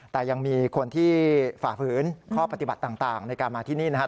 แต่ยังมีคนที่ฝ่าฝืนข้อปฏิบัติต่างในการมาที่นี่นะครับ